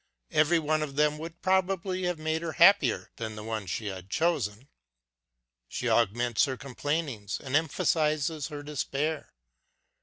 Every one of them would probably have made her happier than the one she had chosen ! She augments her complainings and empha sizes her despair.